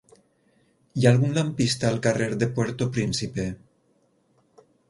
Hi ha algun lampista al carrer de Puerto Príncipe?